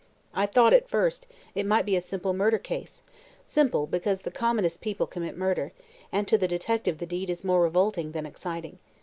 I thought, at first, it might be a simple murder case; simple, because the commonest people commit murder, and to the detective the deed is more revolting than exciting.